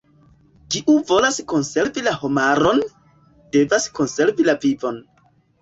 Kiu volas konservi la homaron, devas konservi la vivon.